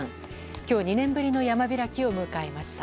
今日、２年ぶりの山開きを迎えました。